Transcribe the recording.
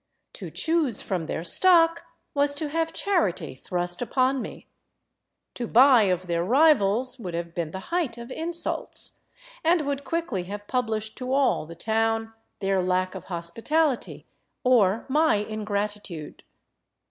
To choose from their stock was to have charity tlirust upon me; to buy of their rivals would have been the height of insults, and would quickly have published to all the town their lack of hospitality, or my ingratitude.